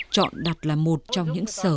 chọn đặt là một trong những sở